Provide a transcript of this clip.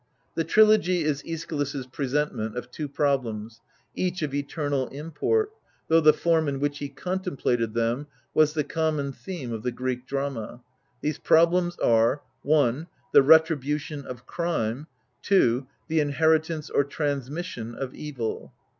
The Trilogy is iEschylus' presentment of two problems, each of eternal import, though the form in which he contemplated them was the common theme of the Greek drama. These problems are : I. The Retribution of Crime. . II. The Inheritance or Transmission of Evil.